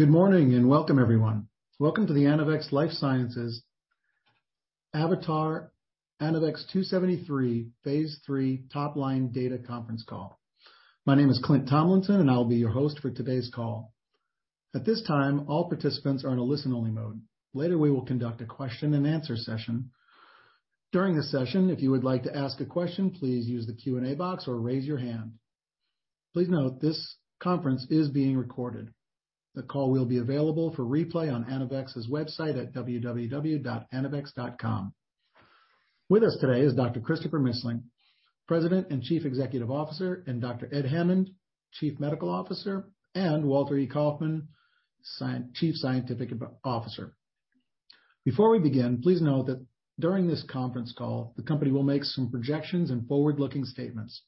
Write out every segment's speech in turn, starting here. Good morning, and welcome, everyone. Welcome to The Anavex Life Sciences avatar-ANAVEX®2-73 phase III Top-Line Data Conference Call. My name is Clint Tomlinson, and I'll be your host for today's call. At this time, all participants are in a listen-only mode. Later, we will conduct a question-and-answer session. During the session, if you would like to ask a question, please use the Q&A box or raise your hand. Please note this conference is being recorded. The call will be available for replay on Anavex's website at www.anavex.com. With us today is Dr. Christopher Missling, President and CEO, and Dr. Edward Hammond, Chief Medical Officer, and Walter Kaufmann, Chief Scientific Officer. Before we begin, please note that during this conference call, the company will make some projections and forward-looking statements.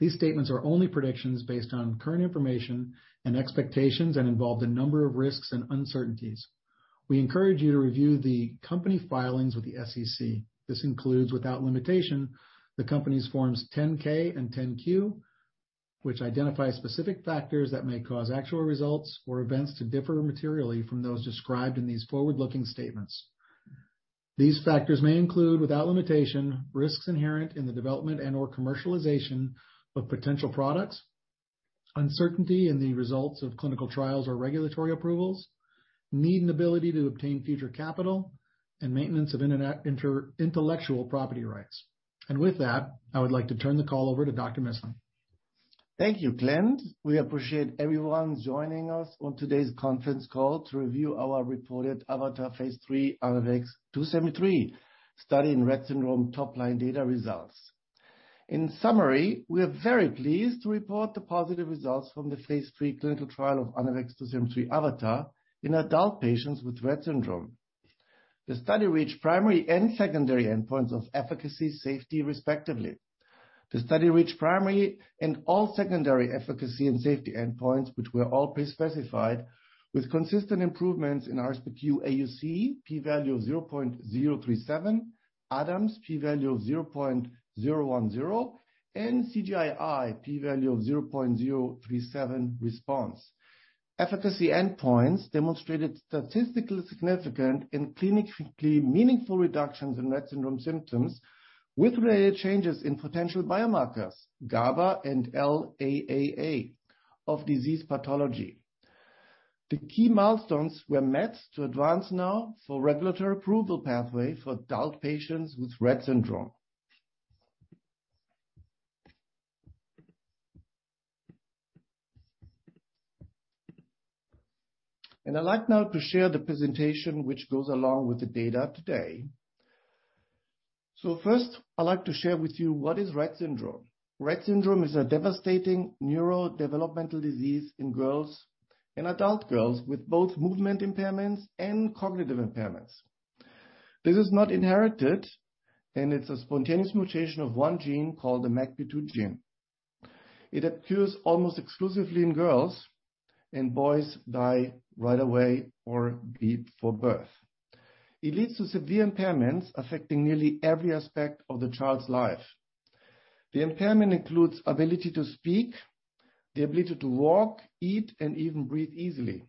These statements are only predictions based on current information and expectations and involve a number of risks and uncertainties. We encourage you to review the company filings with the SEC. This includes, without limitation, the company's Forms 10-K and 10-Q, which identify specific factors that may cause actual results or events to differ materially from those described in these forward-looking statements. These factors may include, without limitation, risks inherent in the development and or commercialization of potential products, uncertainty in the results of clinical trials or regulatory approvals, need and ability to obtain future capital, and maintenance of intellectual property rights. With that, I would like to turn the call over to Dr. Missling. Thank you, Clint. We appreciate everyone joining us on today's conference call to review our reported AVATAR phase III ANAVEX®2-73 study in Rett syndrome top-line data results. In summary, we are very pleased to report the positive results from the phase III clinical trial of ANAVEX®2-73 AVATAR in adult patients with Rett syndrome. The study reached primary and secondary endpoints of efficacy, safety respectively. The study reached primary and all secondary efficacy and safety endpoints, which were all pre-specified, with consistent improvements in RSBQ AUC, p-value of 0.037, ADAMS, p-value of 0.010, and CGI-I, p-value of 0.037 response. Efficacy endpoints demonstrated statistically significant and clinically meaningful reductions in Rett syndrome symptoms with related changes in potential biomarkers, GABA and LAAA of disease pathology. The key milestones were met to advance now for regulatory approval pathway for adult patients with Rett syndrome. I'd like now to share the presentation, which goes along with the data today. First, I'd like to share with you what is Rett syndrome. Rett syndrome is a devastating neurodevelopmental disease in girls, in adult girls with both movement impairments and cognitive impairments. This is not inherited, and it's a spontaneous mutation of one gene called the MECP2 gene. It occurs almost exclusively in girls, and boys die right away or before birth. It leads to severe impairments affecting nearly every aspect of the child's life. The impairment includes ability to speak, the ability to walk, eat, and even breathe easily.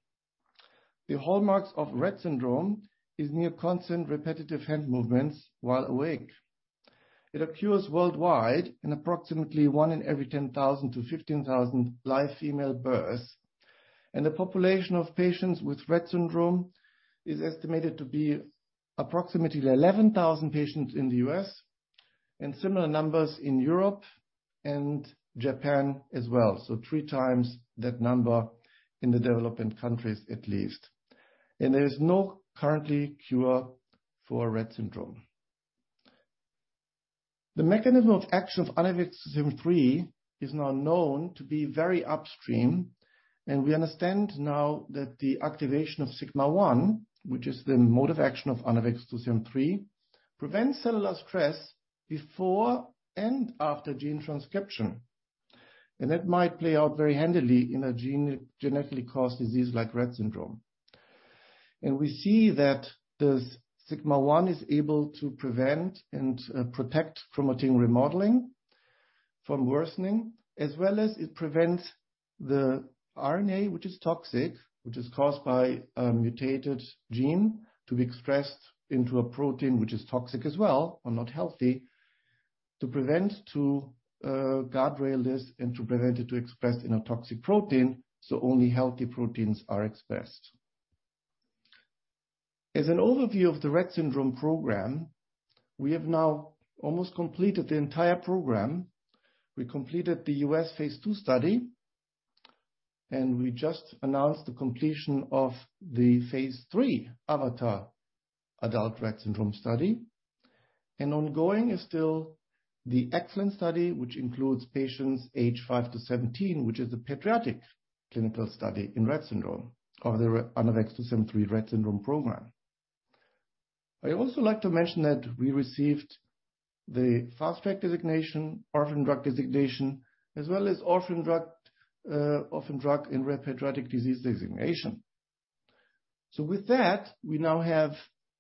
The hallmarks of Rett syndrome is near constant repetitive hand movements while awake. It occurs worldwide in approximately one in every 10,000 to 15,000 live female births, and the population of patients with Rett syndrome is estimated to be approximately 11,000 patients in the U.S. and similar numbers in Europe and Japan as well, so three times that number in the developed countries at least. There is no current cure for Rett syndrome. The mechanism of action of ANAVEX®2-73 is now known to be very upstream, and we understand now that the activation of sigma-1, which is the mode of action of ANAVEX®2-73, prevents cellular stress before and after gene transcription. That might play out very handily in a genetically caused disease like Rett syndrome. We see that the sigma-1 is able to prevent and protect chromatin remodeling from worsening, as well as it prevents the RNA, which is toxic, which is caused by a mutated gene, to be expressed into a protein which is toxic as well or not healthy, to prevent guardrail this and to prevent it to express in a toxic protein, so only healthy proteins are expressed. As an overview of the Rett syndrome program, we have now almost completed the entire program. We completed the U.S. phase II study, and we just announced the completion of the phase III AVATAR adult Rett syndrome study. Ongoing is still the EXCELLENCE study, which includes patients aged five to 17, which is a pediatric clinical study in Rett syndrome of the ANAVEX®2-73 Rett syndrome program. I also like to mention that we received the Fast Track designation, Orphan Drug designation, as well as Orphan Drug and Rare Pediatric Disease designation. With that, we now have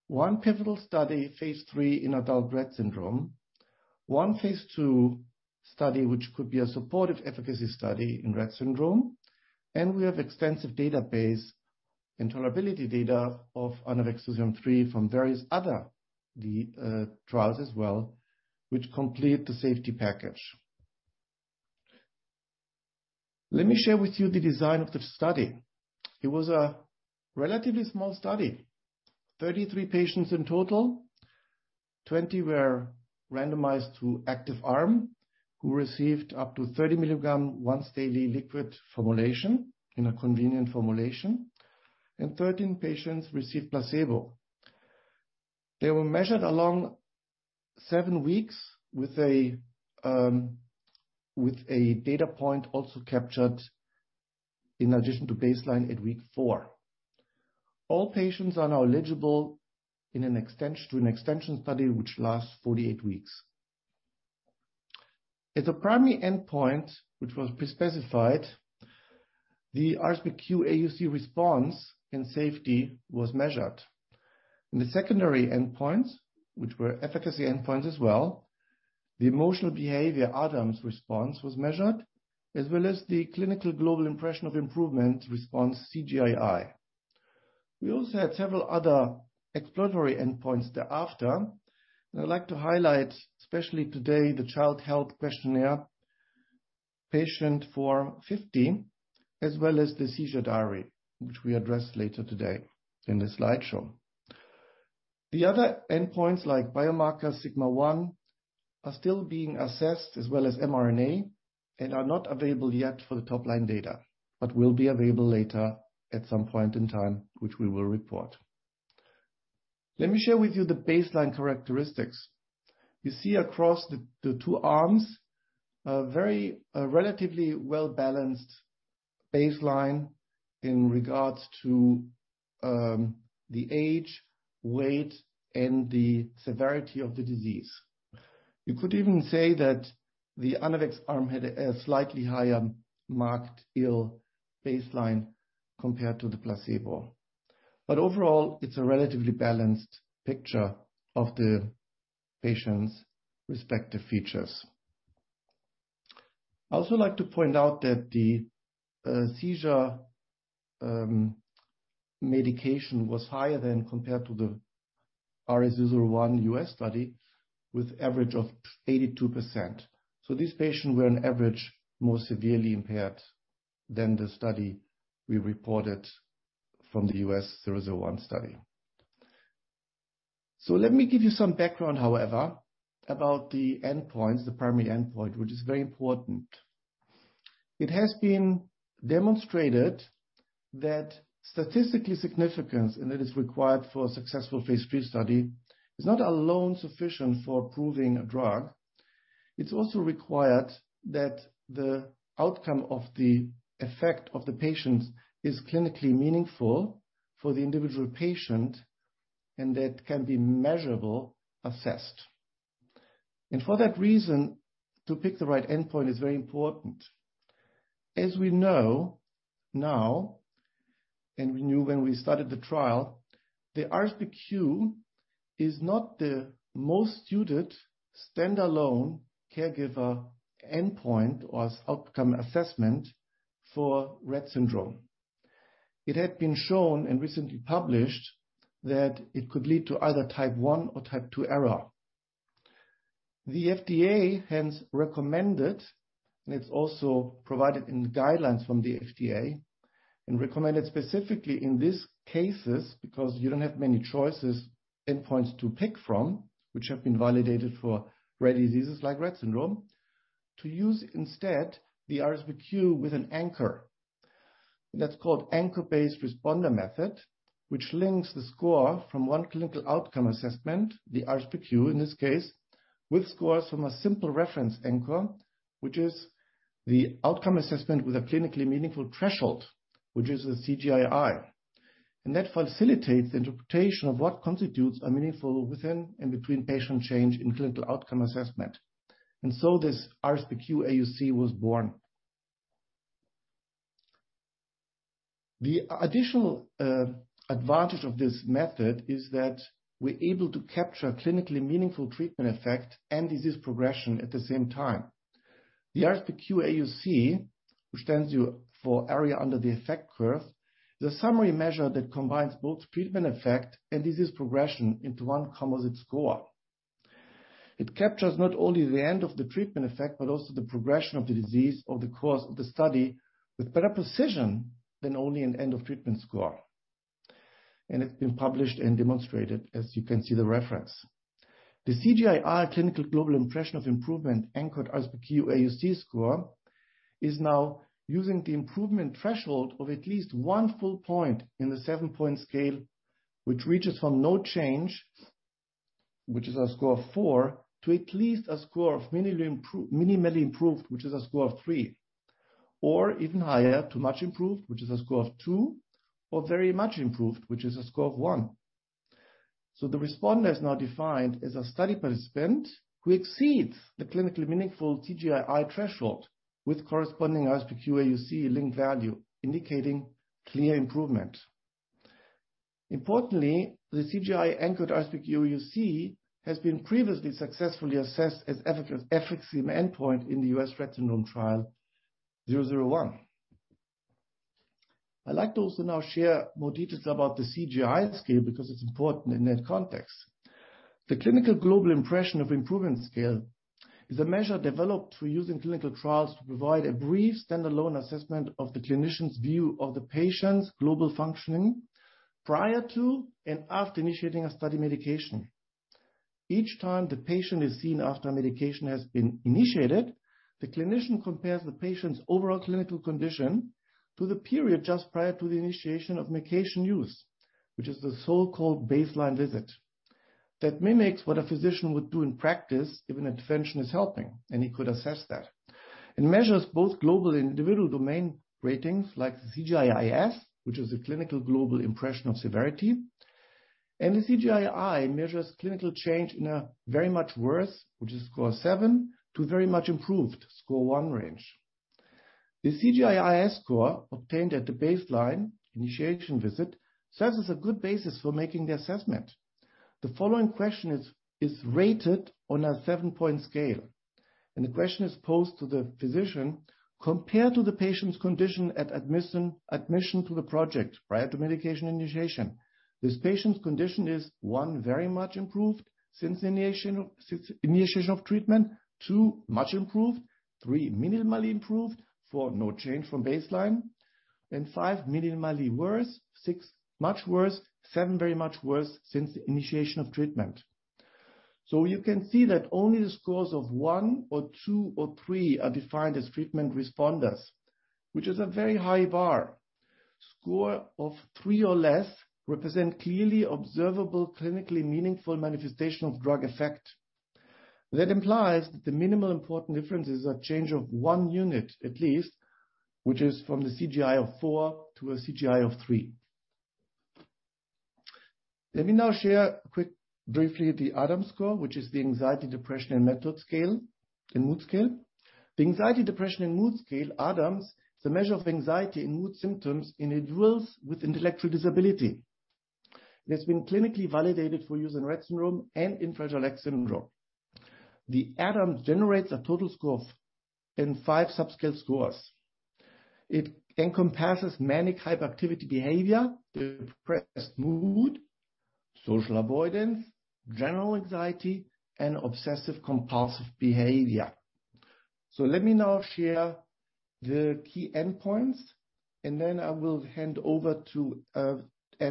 one pivotal study, phase III in adult Rett syndrome, one phase II study, which could be a supportive efficacy study in Rett syndrome, and we have extensive database and tolerability data of ANAVEX®3-71 from various other trials as well, which complete the safety package. Let me share with you the design of the study. It was a relatively small study, 33 patients in total. 20 were randomized to active arm, who received up to 30 mg once daily liquid formulation in a convenient formulation, and 13 patients received placebo. They were measured along seven weeks with a data point also captured in addition to baseline at week four. All patients are now eligible in an extension, to an extension study, which lasts 48 weeks. As a primary endpoint, which was pre-specified, the RSBQ AUC response and safety was measured. In the secondary endpoints, which were efficacy endpoints as well, the emotional behavior items response was measured, as well as the clinical global impression of improvement response CGI-I. We also had several other exploratory endpoints thereafter. I'd like to highlight, especially today, the Child Health Questionnaire Parent Form 50, as well as the seizure diary, which we address later today in the slideshow. The other endpoints, like biomarker sigma one, are still being assessed, as well as mRNA, and are not available yet for the top-line data, but will be available later at some point in time, which we will report. Let me share with you the baseline characteristics. You see across the two arms a very relatively well-balanced baseline in regards to the age, weight, and the severity of the disease. You could even say that the Anavex arm had a slightly higher markedly ill baseline compared to the placebo. Overall, it's a relatively balanced picture of the patient's respective features. I also like to point out that the seizure medication was higher as compared to the RS001 U.S. study with average of 82%. These patients were on average more severely impaired than the study we reported from the U.S. 001 study. Let me give you some background, however, about the endpoints, the primary endpoint, which is very important. It has been demonstrated that statistical significance, and that is required for a successful phase III study, is not alone sufficient for approving a drug. It's also required that the outcome of the effect of the patient is clinically meaningful for the individual patient and that can be measurable, assessed. For that reason, to pick the right endpoint is very important. As we know now, and we knew when we started the trial, the RSBQ is not the most suited standalone caregiver endpoint or outcome assessment for Rett syndrome. It had been shown and recently published that it could lead to either type one or type two error. The FDA hence recommended, and it's also provided in the guidelines from the FDA, and recommended specifically in these cases, because you don't have many choices, endpoints to pick from, which have been validated for rare diseases like Rett syndrome, to use instead the RSBQ with an anchor. That's called anchor-based responder method, which links the score from one clinical outcome assessment, the RSBQ in this case, with scores from a simple reference anchor, which is the outcome assessment with a clinically meaningful threshold, which is the CGI-I. That facilitates interpretation of what constitutes a meaningful within and between patient change in clinical outcome assessment. This RSBQ AUC was born. The additional advantage of this method is that we're able to capture clinically meaningful treatment effect and disease progression at the same time. The RSBQ AUC, which stands for area under the effect curve, is a summary measure that combines both treatment effect and disease progression into one composite score. It captures not only the end of the treatment effect, but also the progression of the disease over the course of the study with better precision than only an end-of-treatment score. It's been published and demonstrated, as you can see the reference. The CGI-I clinical global impression of improvement anchored RSBQ AUC score is now using the improvement threshold of at least one full point in the seven-point scale, which reaches from No Change, which is a score of four, to at least a score of minimally improved, which is a score of three, or even higher to Much Improved, which is a score of two, or Very Much Improved, which is a score of one. The responder is now defined as a study participant who exceeds the clinically meaningful CGI-I threshold with corresponding RSBQ AUC linked value, indicating clear improvement. Importantly, the CGI anchored RSBQ AUC has been previously successfully assessed as efficacy endpoint in the U.S. Rett syndrome trial 001. I'd like to also now share more details about the CGI scale because it's important in that context. The Clinical Global Impression of Improvement Scale is a measure developed for use in clinical trials to provide a brief standalone assessment of the clinician's view of the patient's global functioning prior to and after initiating a study medication. Each time the patient is seen after medication has been initiated, the clinician compares the patient's overall clinical condition to the period just prior to the initiation of medication use, which is the so-called baseline visit. That mimics what a physician would do in practice if an intervention is helping, and he could assess that. It measures both global individual domain ratings like the CGI-S, which is the Clinical Global Impression of Severity, and the CGI-I measures clinical change in a very much worse, which is score seven, to very much improved, score one range. The CGI-S score obtained at the baseline initiation visit serves as a good basis for making the assessment. The following question is rated on a seven-point scale, and the question is posed to the physician, compared to the patient's condition at admission to the project prior to medication initiation. This patient's condition is one, very much improved since initiation of treatment. two, much improved. three, minimally improved. four, no change from baseline. five, minimally worse. six, much worse. seven, very much worse since the initiation of treatment. You can see that only the scores of one or two or three are defined as treatment responders, which is a very high bar. Score of three or less represent clearly observable, clinically meaningful manifestation of drug effect. That implies that the minimal important difference is a change of one unit at least, which is from the CGI of four to a CGI of three. Let me now share quickly briefly the ADAMS score, which is the Anxiety, Depression, and Mood Scale. The Anxiety, Depression, and Mood Scale, ADAMS, is a measure of anxiety and mood symptoms in adults with intellectual disability. It's been clinically validated for use in Rett syndrome and in Fragile X syndrome. The ADAMS generates a total score and five subscale scores. It encompasses manic hyperactivity behavior, depressed mood, social avoidance, general anxiety, and obsessive-compulsive behavior. Let me now share the key endpoints, and then I will hand over to Edward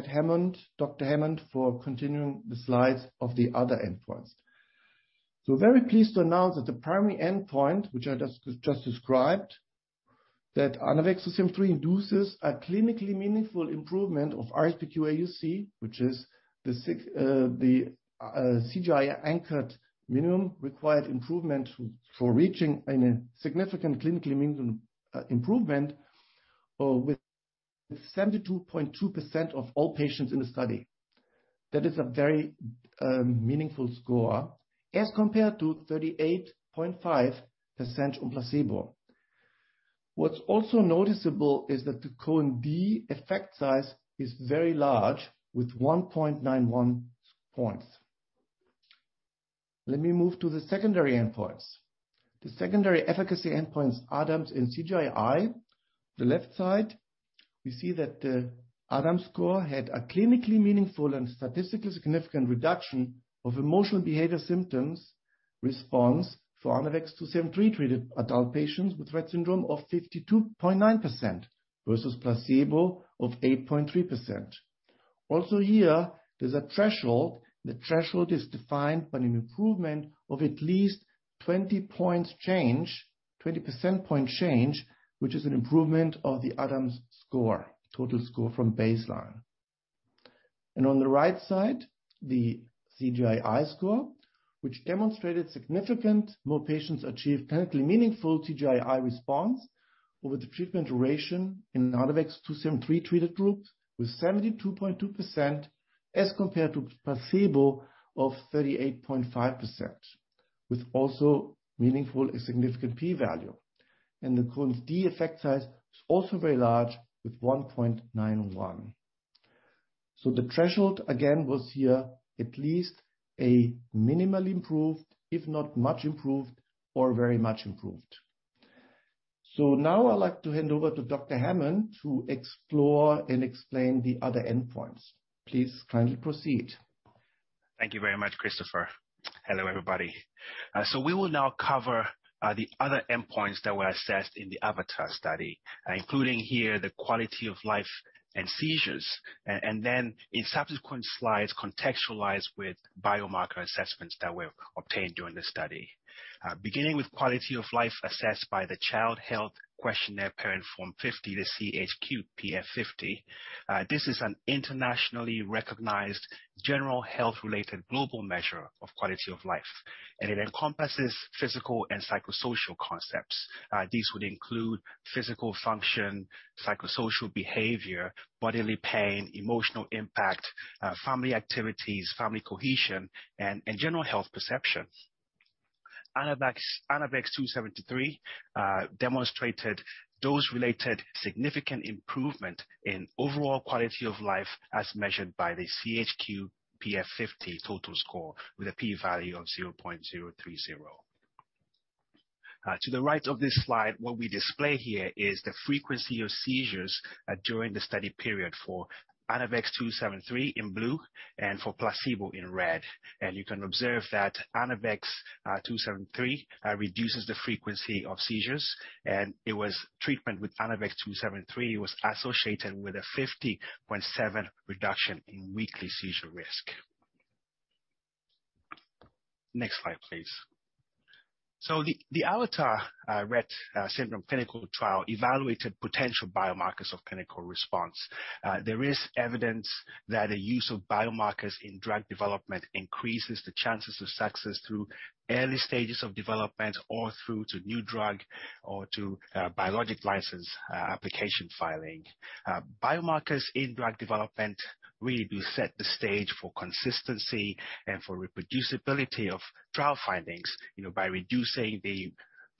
Hammond, Dr. Hammond, for continuing the slides of the other endpoints. Very pleased to announce that the primary endpoint, which I described, that ANAVEX®2-73 induces a clinically meaningful improvement of RSBQ AUC, which is the CGI anchored minimum required improvement for reaching a significant clinically meaningful improvement with 72.2% of all patients in the study. That is a very meaningful score as compared to 38.5% on placebo. What's also noticeable is that the Cohen's d effect size is very large with 1.91 points. Let me move to the secondary endpoints. The secondary efficacy endpoints, ADAMS and CGI-I. The left side, we see that the ADAMS score had a clinically meaningful and statistically significant reduction of emotional behavior symptoms response for ANAVEX®2-73 treated adult patients with Rett syndrome of 52.9% versus placebo of 8.3%. Also here, there's a threshold. The threshold is defined by an improvement of at least 20-point change, 20 percentage point change, which is an improvement of the ADAMS score, total score from baseline. On the right side, the CGI-I score, which demonstrated significantly more patients achieved clinically meaningful CGI-I response over the treatment duration in ANAVEX®2-73 treated groups with 72.2% as compared to placebo of 38.5%, with also meaningful and significant P value. The Cohen's d effect size is also very large with 1.91. The threshold again was here at least a minimally improved, if not much improved or very much improved. Now I'd like to hand over to Dr. Hammond to explore and explain the other endpoints. Please kindly proceed. Thank you very much, Christopher. Hello, everybody. We will now cover the other endpoints that were assessed in the AVATAR study, including here the quality of life and seizures, and then in subsequent slides, contextualized with biomarker assessments that were obtained during the study. Beginning with quality of life assessed by the Child Health Questionnaire Parent Form 50, the CHQ-PF50. This is an internationally recognized general health-related global measure of quality of life, and it encompasses physical and psychosocial concepts. These would include physical function, psychosocial behavior, bodily pain, emotional impact, family activities, family cohesion, and general health perceptions. ANAVEX®2-73 demonstrated dose-related significant improvement in overall quality of life as measured by the CHQ-PF50 total score with a P value of 0.030. To the right of this slide, what we display here is the frequency of seizures during the study period for ANAVEX®2-73 in blue and for placebo in red. You can observe that ANAVEX®2-73 reduces the frequency of seizures, and treatment with ANAVEX®2-73 was associated with a 50.7 reduction in weekly seizure risk. Next slide, please. The AVATAR Rett syndrome clinical trial evaluated potential biomarkers of clinical response. There is evidence that the use of biomarkers in drug development increases the chances of success through early stages of development or through to new drug or to biologic license application filing. Biomarkers in drug development really will set the stage for consistency and for reproducibility of trial findings, you know, by reducing the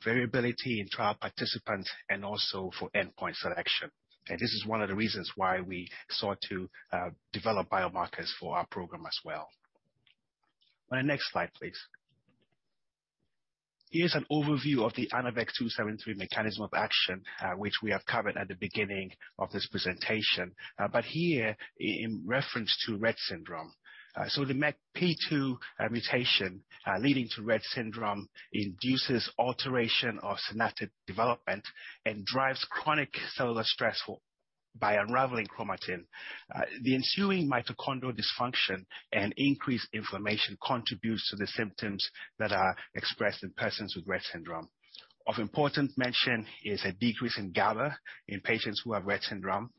variability in trial participants and also for endpoint selection. This is one of the reasons why we sought to develop biomarkers for our program as well. On the next slide, please. Here's an overview of the ANAVEX®2-73 mechanism of action, which we have covered at the beginning of this presentation, but here in reference to Rett syndrome. The MECP2 mutation leading to Rett syndrome induces alteration of synaptic development and drives chronic cellular stress by unraveling chromatin. The ensuing mitochondrial dysfunction and increased inflammation contributes to the symptoms that are expressed in persons with Rett syndrome. Of important mention is a decrease in GABA in patients who have Rett syndrome.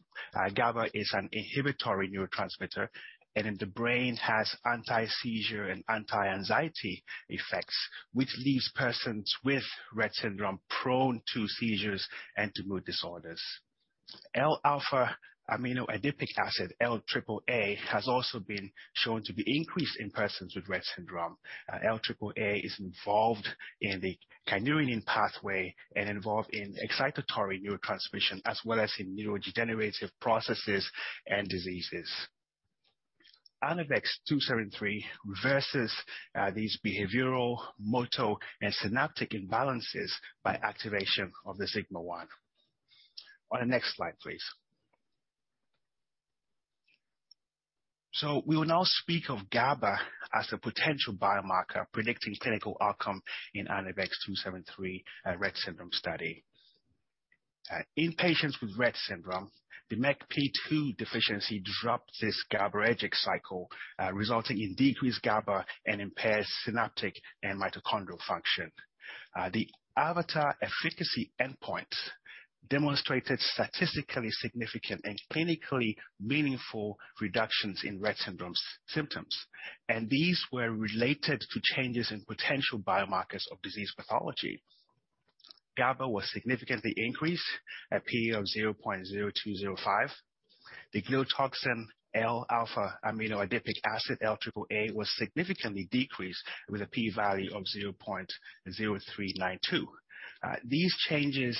GABA is an inhibitory neurotransmitter, and in the brain has anti-seizure and anti-anxiety effects, which leaves persons with Rett syndrome prone to seizures and to mood disorders. L-alpha-aminoadipic acid, LAAA, has also been shown to be increased in persons with Rett syndrome. LAAA is involved in the kynurenine pathway and involved in excitatory neurotransmission, as well as in neurodegenerative processes and diseases. Anavex two seventy-three reverses these behavioral, motor, and synaptic imbalances by activation of the sigma-1. On the next slide, please. We will now speak of GABA as a potential biomarker predicting clinical outcome in Anavex two seventy-three Rett syndrome study. In patients with Rett syndrome, the MECP2 deficiency disrupts this GABAergic cycle resulting in decreased GABA and impaired synaptic and mitochondrial function. The AVATAR efficacy endpoint demonstrated statistically significant and clinically meaningful reductions in Rett syndrome symptoms, and these were related to changes in potential biomarkers of disease pathology. GABA was significantly increased, a P of 0.0205. The gliotoxin L-alpha-aminoadipic acid, LAAA, was significantly decreased with a P-value of 0.0392. These changes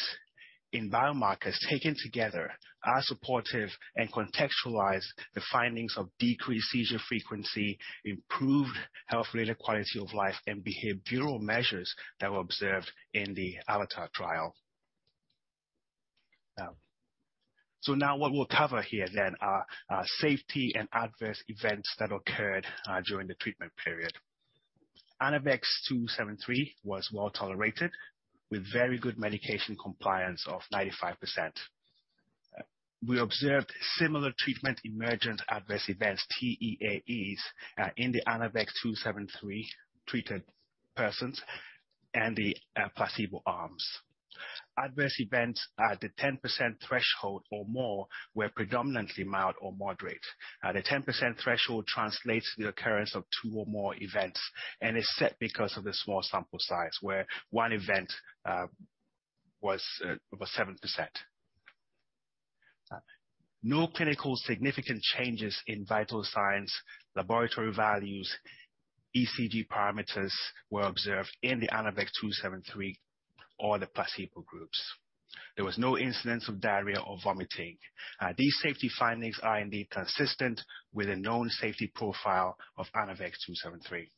in biomarkers, taken together, are supportive and contextualize the findings of decreased seizure frequency, improved health-related quality of life, and behavioral measures that were observed in the AVATAR trial. Now what we'll cover here are safety and adverse events that occurred during the treatment period. ANAVEX®2-73 was well-tolerated with very good medication compliance of 95%. We observed similar treatment emergent adverse events, TEAEs, in the ANAVEX®2-73-treated persons and the placebo arms. Adverse events at the 10% threshold or more were predominantly mild or moderate. The 10% threshold translates to the occurrence of two or more events and is set because of the small sample size, where one event was over 7%. No clinically significant changes in vital signs, laboratory values, ECG parameters were observed in the Anavex two seventy-three or the placebo groups. There was no incidence of diarrhea or vomiting. These safety findings are indeed consistent with the known safety profile of Anavex two seventy-three.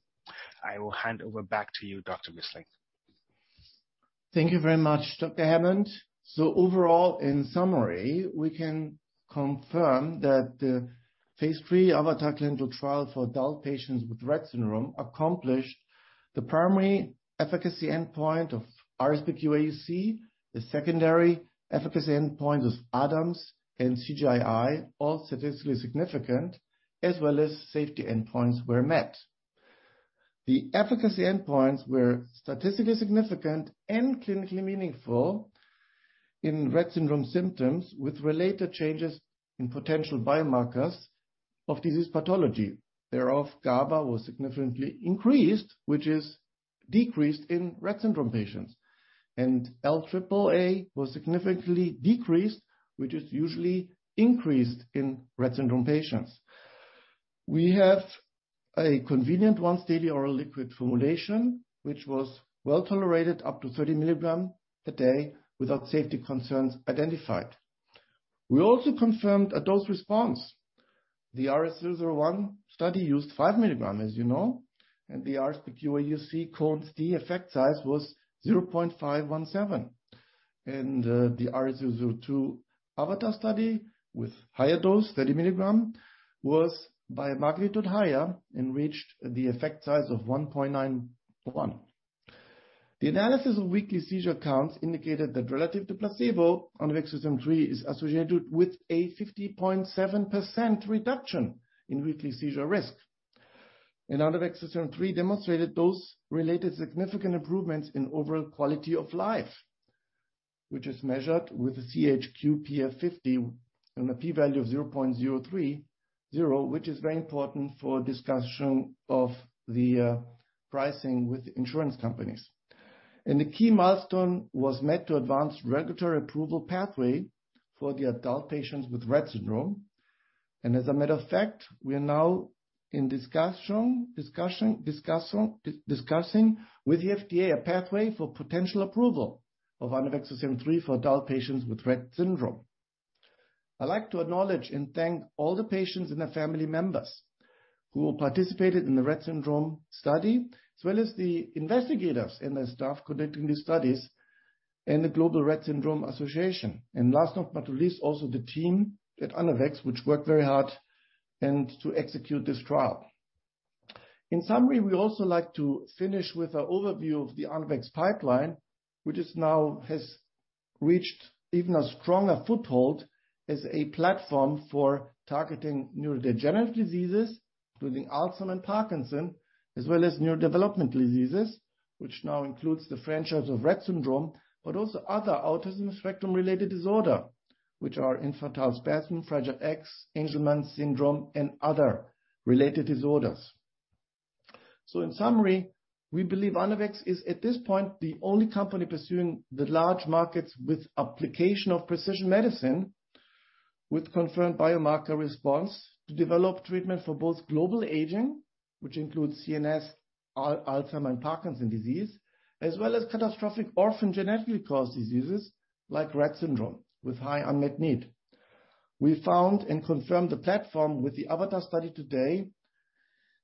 I will hand it back over to you, Dr. Missling. Thank you very much, Dr. Hammond. Overall, in summary, we can confirm that the phase III AVATAR clinical trial for adult patients with Rett syndrome accomplished the primary efficacy endpoint of RSBQ AUC. The secondary efficacy endpoint of ADAMS and CGI-I, all statistically significant, as well as safety endpoints, were met. The efficacy endpoints were statistically significant and clinically meaningful in Rett syndrome symptoms with related changes in potential biomarkers of disease pathology. Thereof, GABA was significantly increased, which is decreased in Rett syndrome patients. LAAA was significantly decreased, which is usually increased in Rett syndrome patients. We have a convenient once daily oral liquid formulation, which was well-tolerated up to 30 milligrams a day without safety concerns identified. We also confirmed a dose response. The RS001 study used 5 mg, as you know, and the RSBQ AUC Cohen's d effect size was 0.517. The AVATAR study (RS-002) with higher dose, 30 mg, was by a magnitude higher and reached the effect size of 1.91. The analysis of weekly seizure counts indicated that relative to placebo, ANAVEX®2-73 is associated with a 50.7% reduction in weekly seizure risk. ANAVEX®2-73 demonstrated those related significant improvements in overall quality of life, which is measured with a CHQ-PF50 and a P value of 0.030, which is very important for discussion of the pricing with insurance companies. The key milestone was met to advance regulatory approval pathway for the adult patients with Rett syndrome. As a matter of fact, we are now discussing with the FDA a pathway for potential approval of ANAVEX®2-73 for adult patients with Rett syndrome. I'd like to acknowledge and thank all the patients and their family members who participated in the Rett syndrome study, as well as the investigators and their staff conducting these studies and the International Rett Syndrome Foundation. Last but not least, also the team at Anavex, which worked very hard to execute this trial. In summary, we also like to finish with an overview of the Anavex pipeline, which now has reached even a stronger foothold as a platform for targeting neurodegenerative diseases, including Alzheimer's and Parkinson's, as well as neurodevelopmental diseases, which now includes the franchise of Rett syndrome, but also other autism spectrum-related disorders, which are infantile spasms, fragile X syndrome, Angelman syndrome, and other related disorders. In summary, we believe Anavex is at this point the only company pursuing the large markets with application of precision medicine with confirmed biomarker response to develop treatment for both global aging, which includes CNS, Alzheimer's and Parkinson's disease, as well as catastrophic orphan genetically caused diseases like Rett syndrome with high unmet need. We found and confirmed the platform with the AVATAR study today,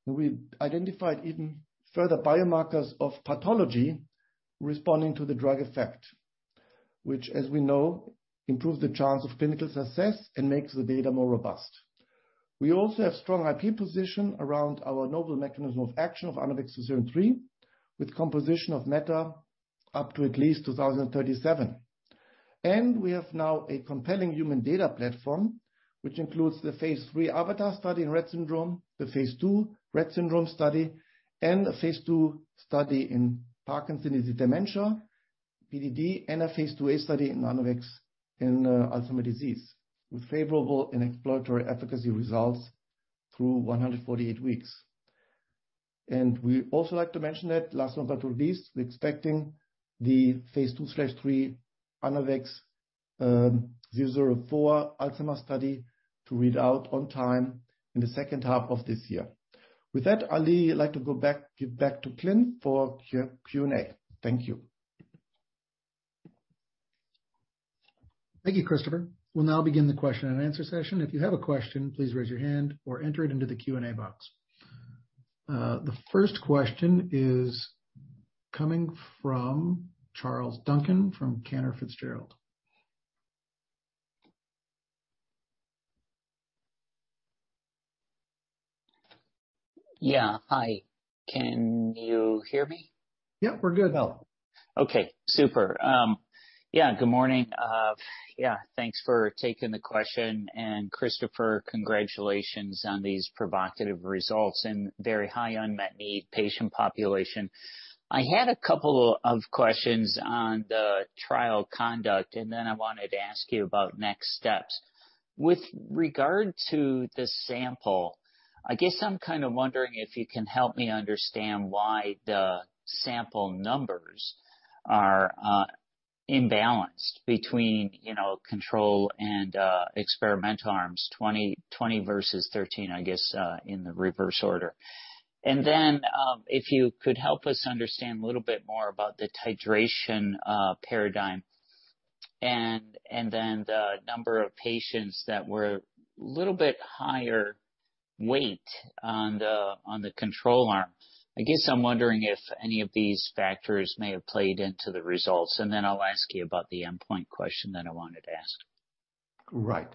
and we identified even further biomarkers of pathology responding to the drug effect, which as we know, improves the chance of clinical success and makes the data more robust. We also have strong IP position around our novel mechanism of action of ANAVEX®2-73, with composition of matter up to at least 2037. We have now a compelling human data platform, which includes the phase III AVATAR study in Rett syndrome, the phase II Rett syndrome study, and a phase II study in Parkinson's dementia, PDD, and a phase IIa study in ANAVEX®2-73 in Alzheimer's disease with favorable and exploratory efficacy results through 148 weeks. We also like to mention that last but not least, we're expecting the phase II/III ANAVEX®2-73 Alzheimer's study to read out on time in the H2 of this year. With that, Ali, I'd like to give back to Clint for Q&A. Thank you. Thank you, Christopher. We'll now begin the question and answer session. If you have a question, please raise your hand or enter it into the Q&A box. The first question is coming from Charles Duncan from Cantor Fitzgerald. Yeah. Hi, can you hear me? Yep, we're good. Okay, super. Good morning. Thanks for taking the question. Christopher, congratulations on these provocative results in very high unmet need patient population. I had a couple of questions on the trial conduct, and then I wanted to ask you about next steps. With regard to the sample, I guess I'm kind of wondering if you can help me understand why the sample numbers are imbalanced between, you know, control and experimental arms, 20 versus 13, I guess, in the reverse order. Then, if you could help us understand a little bit more about the titration paradigm and then the number of patients that were little bit higher weight on the control arm. I guess I'm wondering if any of these factors may have played into the results, and then I'll ask you about the endpoint question that I wanted to ask. Right.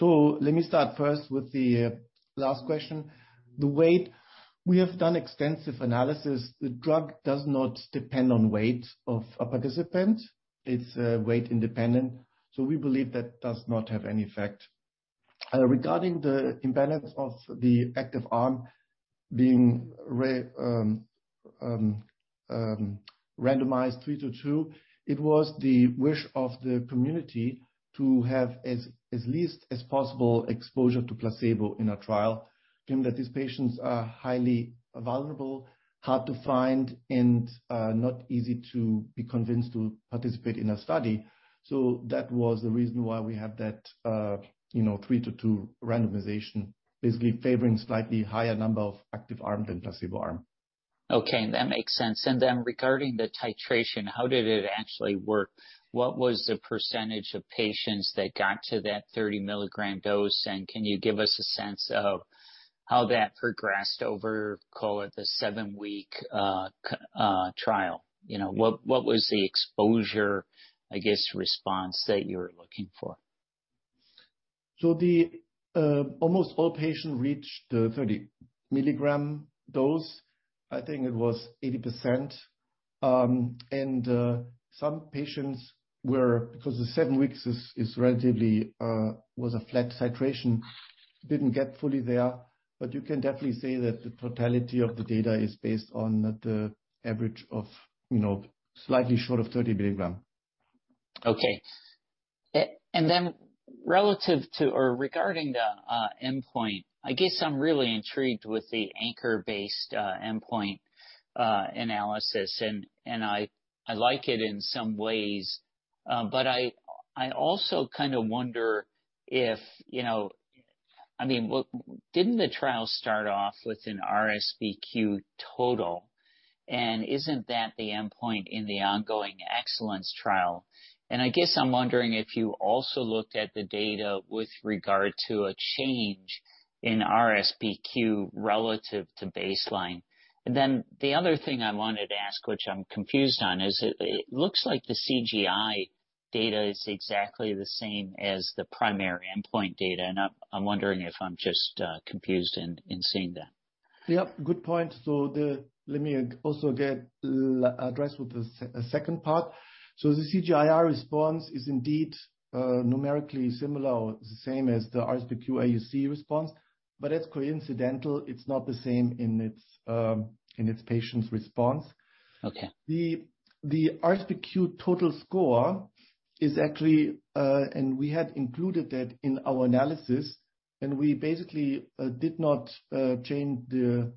Let me start first with the last question. The weight, we have done extensive analysis. The drug does not depend on weight of a participant. It's weight independent, so we believe that does not have any effect. Regarding the imbalance of the active arm being randomized three to two, it was the wish of the community to have as little as possible exposure to placebo in a trial, given that these patients are highly vulnerable, hard to find, and not easy to be convinced to participate in a study. That was the reason why we had that, you know, three to two randomization, basically favoring slightly higher number of active arm than placebo arm. Okay, that makes sense. Then regarding the titration, how did it actually work? What was the percentage of patients that got to that 30 mg dose? Can you give us a sense of how that progressed over, call it, the seven-week trial? You know, what was the exposure, I guess, response that you were looking for? Almost all patients reached the 30 mg dose. I think it was 80%. Some patients were, because the seven weeks is relatively was a flat titration, didn't get fully there. You can definitely say that the totality of the data is based on the average of, you know, slightly short of 30 mg. Okay. Then relative to or regarding the endpoint, I guess I'm really intrigued with the anchor-based endpoint analysis. I like it in some ways, but I also kind of wonder if, you know, I mean, well, didn't the trial start off with an RSBQ total? Isn't that the endpoint in the ongoing EXCELLENCE trial? I guess I'm wondering if you also looked at the data with regard to a change in RSBQ relative to baseline. The other thing I wanted to ask, which I'm confused on, is it looks like the CGI data is exactly the same as the primary endpoint data. I'm wondering if I'm just confused in seeing that. Yep, good point. Let me also get to address the second part. The CGI-I response is indeed numerically similar or the same as the RSBQ AUC response, but that's coincidental. It's not the same in its patient's response. Okay. The RSBQ total score is actually, and we had included that in our analysis, and we basically did not change the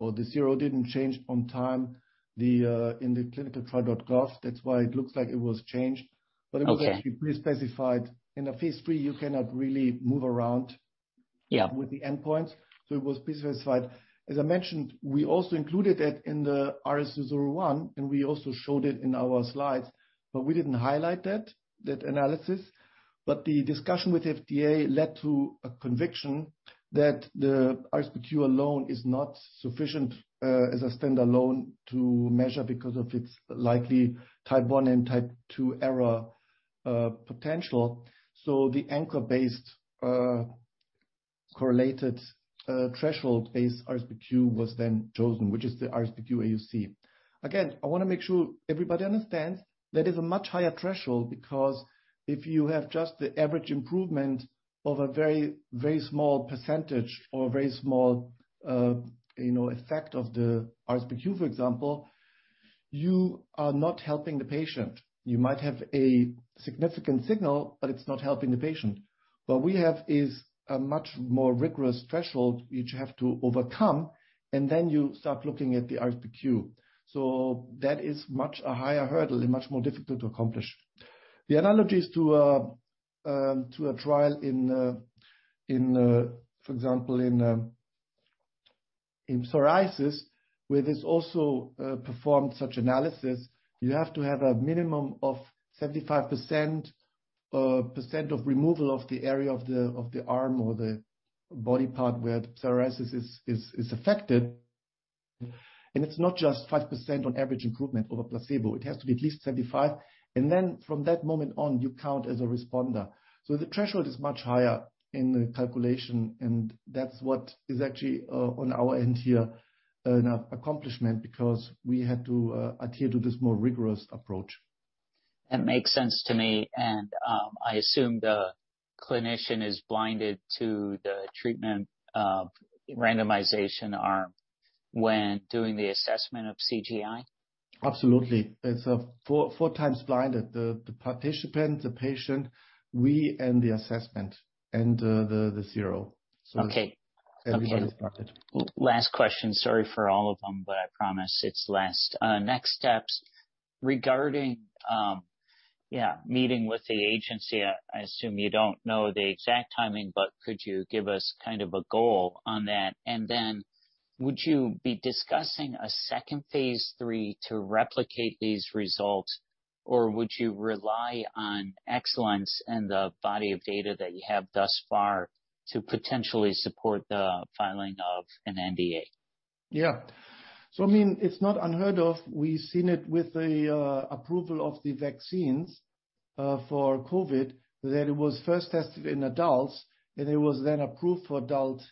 or the CRO didn't change online in the ClinicalTrials.gov. That's why it looks like it was changed. Okay. It was actually pre-specified. In a phase III, you cannot really move around. Yeah with the endpoints, it was pre-specified. As I mentioned, we also included that in the RS001, and we also showed it in our slides, but we didn't highlight that analysis. The discussion with FDA led to a conviction that the RSBQ alone is not sufficient as a standalone to measure because of its likely type one and type two error potential. The anchor-based correlated threshold-based RSBQ was then chosen, which is the RSBQ AUC. Again, I wanna make sure everybody understands that is a much higher threshold because if you have just the average improvement of a very, very small percentage or a very small effect of the RSBQ, for example, you are not helping the patient. You might have a significant signal, but it's not helping the patient. What we have is a much more rigorous threshold which you have to overcome, and then you start looking at the RSBQ. That is much a higher hurdle and much more difficult to accomplish. The analogies to a trial in, for example, in psoriasis, where there's also performed such analysis, you have to have a minimum of 75% of removal of the area of the arm or the body part where the psoriasis is affected. It's not just 5% on average improvement over placebo. It has to be at least 75%. Then from that moment on, you count as a responder. The threshold is much higher in the calculation, and that's what is actually on our end here an accomplishment because we had to adhere to this more rigorous approach. That makes sense to me. I assume the clinician is blinded to the treatment or randomization arm when doing the assessment of CGI? Absolutely. It's four times blinded. The participant, the patient, we, and the assessment, and the zero. Okay. Everybody's blinded. Last question. Sorry for all of them, but I promise it's last. Next steps regarding meeting with the agency. I assume you don't know the exact timing, but could you give us kind of a goal on that? Would you be discussing a second phase III to replicate these results, or would you rely on EXCELLENCE and the body of data that you have thus far to potentially support the filing of an NDA? Yeah. I mean, it's not unheard of. We've seen it with the approval of the vaccines for COVID, that it was first tested in adults, and it was then approved for adult,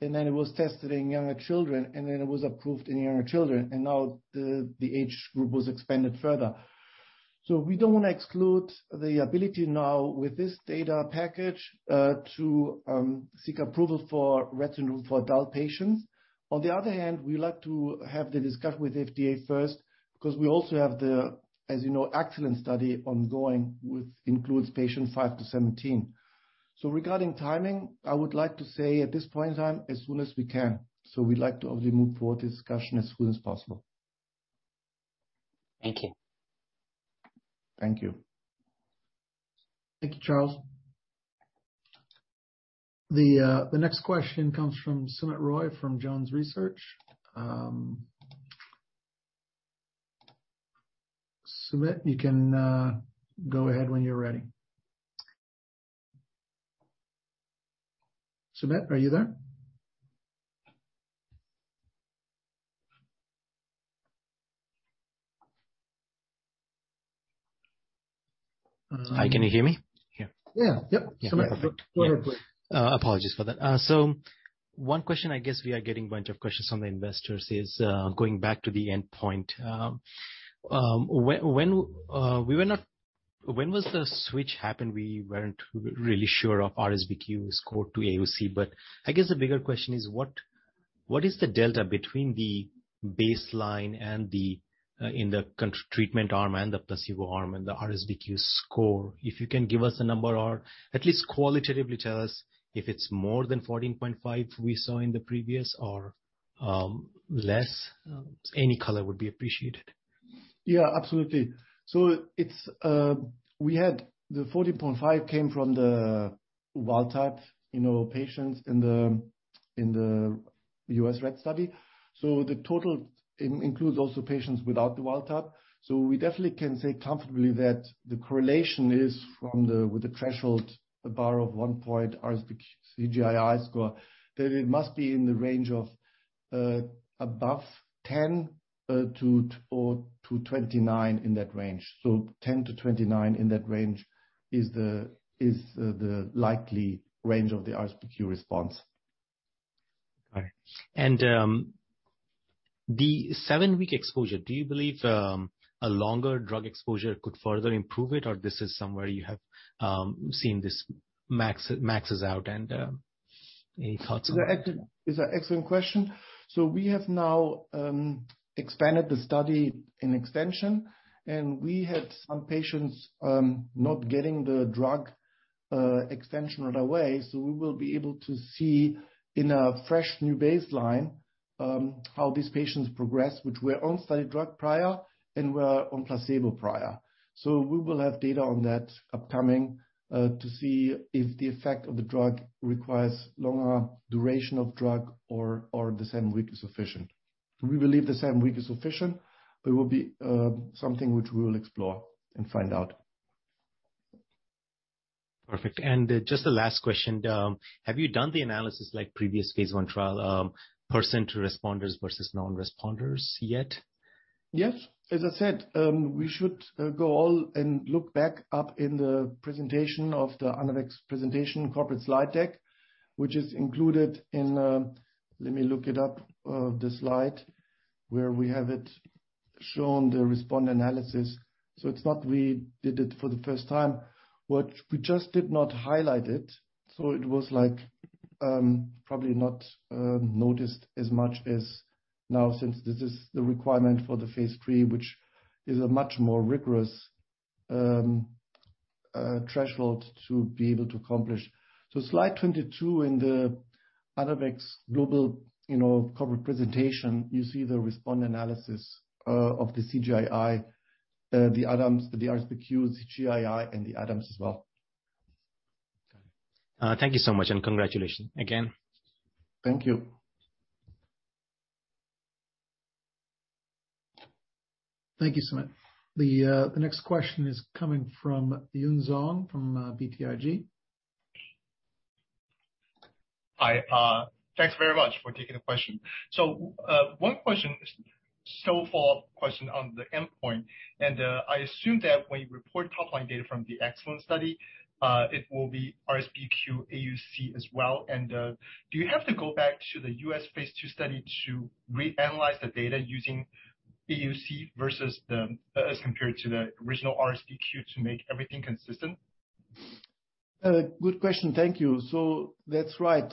and then it was tested in younger children, and then it was approved in younger children. Now the age group was expanded further. We don't wanna exclude the ability now with this data package to seek approval for Retinol for adult patients. On the other hand, we like to have the discussion with FDA first because we also have the, as you know, EXCELLENCE study ongoing, which includes patients five-17. Regarding timing, I would like to say at this point in time, as soon as we can. We'd like to obviously move forward the discussion as soon as possible. Thank you. Thank you. Thank you, Charles. The next question comes from Soumit Roy from JonesTrading. Soumit, you can go ahead when you're ready. Soumit, are you there? Hi. Can you hear me? Yeah. Yeah. Yep. Yeah. Perfect. Soumit, go ahead, please. Apologies for that. One question I guess we are getting a bunch of questions from the investors is going back to the endpoint. When was the switch happened, we weren't really sure of RSBQ score to AUC. I guess the bigger question is what is the delta between the baseline and the treatment arm and the placebo arm and the RSBQ score. If you can give us a number or at least qualitatively tell us if it's more than 14.5 we saw in the previous or less. Any color would be appreciated. Yeah, absolutely. It's we had the 14.5 came from the WT, you know, patients in the U.S. Rett study. The total includes also patients without the WT. We definitely can say comfortably that the correlation is from the with the threshold a bar of 1 RSBQ CGI-I score that it must be in the range of above 10 to 29 in that range. 10 to 29 in that range is the likely range of the RSBQ response. All right. The seven-week exposure, do you believe a longer drug exposure could further improve it, or this is somewhere you have seen this maxes out, and any thoughts on that? It's an excellent question. We have now expanded the study in extension, and we had some patients not getting the drug extension right away. We will be able to see in a fresh new baseline how these patients progress, which were on study drug prior and were on placebo prior. We will have data on that upcoming to see if the effect of the drug requires longer duration of drug or the same week is sufficient. We believe the same week is sufficient, but it will be something which we will explore and find out. Perfect. Just the last question. Have you done the analysis like previous phase I trial, percent responders versus non-responders yet? Yes. As I said, we should go ahead and look back up in the presentation of the Anavex presentation corporate slide deck, which is included in. Let me look it up, the slide where we have it shown the responder analysis. It's not we did it for the first time. What we just did not highlight it, so it was like, probably not noticed as much as now since this is the requirement for the phase III, which is a much more rigorous threshold to be able to accomplish. Slide 22 in the Anavex global, you know, corporate presentation, you see the responder analysis of the CGI-I, the ADAMS, the RSBQ, CGI-I, and the ADAMS as well. Got it. Thank you so much, and congratulations again. Thank you. Thank you, Soumit. The next question is coming from Yun Zhong from BTIG. Hi. Thanks very much for taking the question. One question is a follow-up question on the endpoint. I assume that when you report top-line data from the EXCELLENCE study, it will be RSBQ AUC as well. Do you have to go back to the U.S. phase II study to reanalyze the data using AUC versus, as compared to, the original RSBQ to make everything consistent? Good question. Thank you. That's right.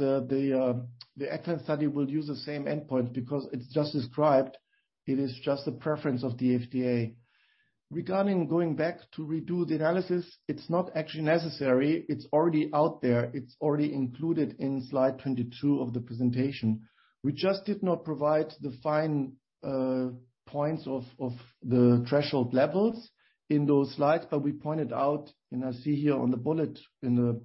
The EXCELLENCE study will use the same endpoint because it's just described, it is just a preference of the FDA. Regarding going back to redo the analysis, it's not actually necessary. It's already out there. It's already included in slide 22 of the presentation. We just did not provide the fine points of the threshold levels in those slides, but we pointed out, and I see here on the bullet in the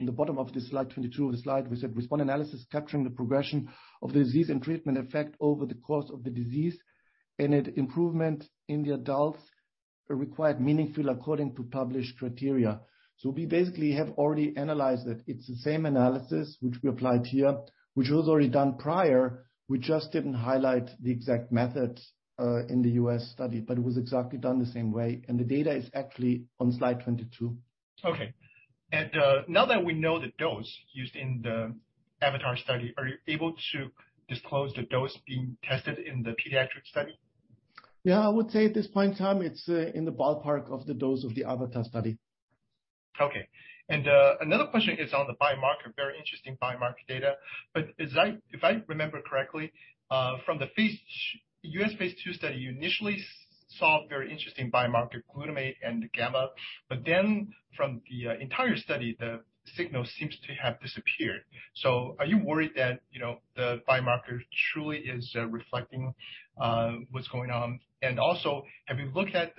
bottom of this slide 22, we said, "Responder analysis capturing the progression of the disease and treatment effect over the course of the disease and improvement in the adults required meaningful according to published criteria." We basically have already analyzed it. It's the same analysis which we applied here, which was already done prior. We just didn't highlight the exact methods in the U.S. study, but it was exactly done the same way. The data is actually on slide 22. Okay. Now that we know the dose used in the AVATAR study, are you able to disclose the dose being tested in the pediatric study? Yeah. I would say at this point in time, it's in the ballpark of the dose of the AVATAR study. Okay. Another question is on the biomarker, very interesting biomarker data. If I remember correctly, from the U.S. phase II study, you initially saw very interesting biomarker glutamate and GABA, then from the entire study, the signal seems to have disappeared. Are you worried that the biomarker truly is reflecting what's going on? Also, have you looked at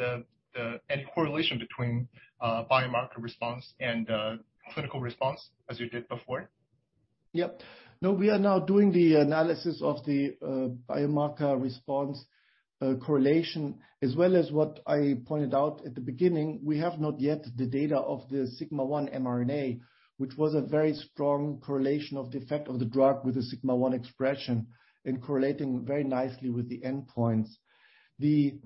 any correlation between biomarker response and clinical response as you did before? Yep. No, we are now doing the analysis of the biomarker response correlation as well as what I pointed out at the beginning. We have not yet the data of the sigma-1 mRNA, which was a very strong correlation of the effect of the drug with the sigma-1 expression and correlating very nicely with the endpoints. The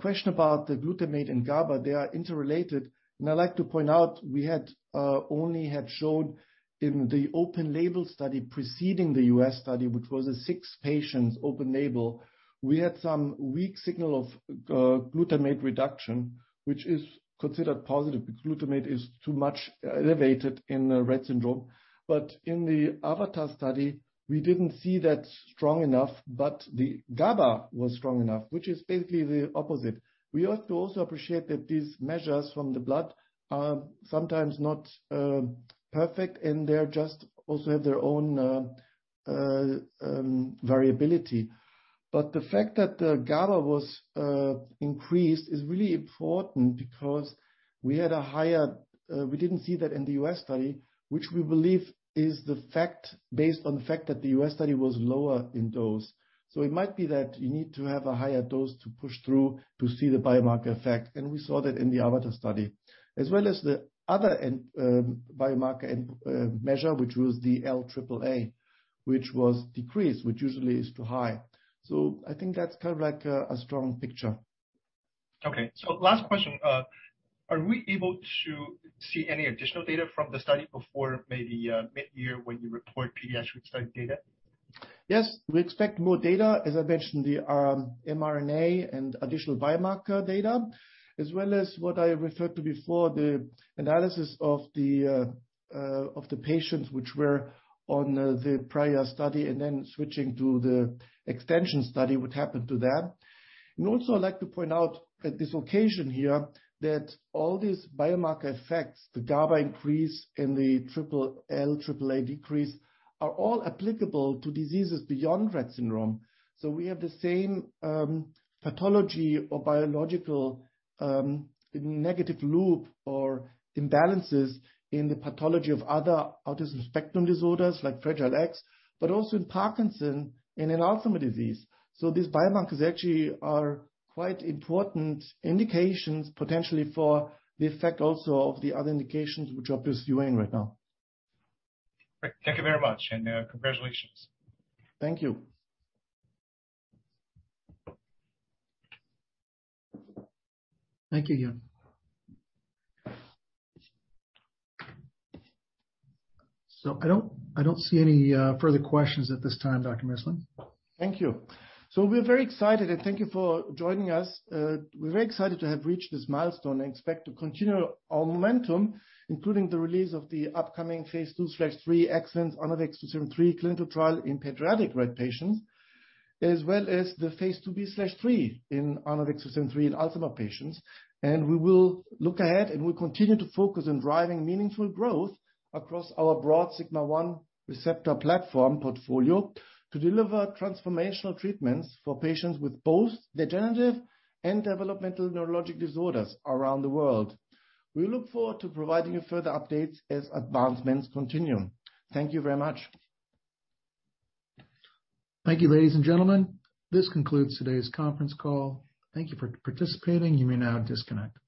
question about the glutamate and GABA, they are interrelated, and I'd like to point out we had only shown in the open label study preceding the US study, which was a six patients open label. We had some weak signal of glutamate reduction, which is considered positive because glutamate is too much elevated in the Rett syndrome. In the AVATAR study, we didn't see that strong enough, but the GABA was strong enough, which is basically the opposite. We have to also appreciate that these measures from the blood are sometimes not perfect, and they're just also have their own variability. The fact that the GABA was increased is really important because we didn't see that in the U.S. study, which we believe is the fact based on the fact that the U.S. study was lower in dose. It might be that you need to have a higher dose to push through to see the biomarker effect, and we saw that in the AVATAR study. As well as the other end, biomarker end, measure, which was the LAAA, which was decreased, which usually is too high. I think that's kind of like a strong picture. Okay. Last question. Are we able to see any additional data from the study before maybe midyear when you report pediatric study data? Yes, we expect more data. As I mentioned, the mRNA and additional biomarker data as well as what I referred to before, the analysis of the patients which were on the prior study and then switching to the extension study, what happened to them. Also, I'd like to point out at this location here that all these biomarker effects, the GABA increase and the L-AAA decrease, are all applicable to diseases beyond Rett syndrome. We have the same pathology or biological negative loop or imbalances in the pathology of other autism spectrum disorders like fragile X, but also in Parkinson's disease and in Alzheimer's disease. These biomarkers actually are quite important indications potentially for the effect also of the other indications which Anavex is viewing right now. Great. Thank you very much. Congratulations. Thank you. Thank you, Yun. I don't see any further questions at this time, Dr. Missling. Thank you. We're very excited, and thank you for joining us. We're very excited to have reached this milestone and expect to continue our momentum, including the release of the upcoming phase II/III EXCELLENCE ANAVEX®2-73 clinical trial in pediatric Rett patients, as well as the phase IIb/III in ANAVEX®2-73 in Alzheimer's patients. We will look ahead, and we'll continue to focus on driving meaningful growth across our broad sigma-1 receptor platform portfolio to deliver transformational treatments for patients with both degenerative and developmental neurologic disorders around the world. We look forward to providing you further updates as advancements continue. Thank you very much. Thank you, ladies and gentlemen. This concludes today's conference call. Thank you for participating. You may now disconnect.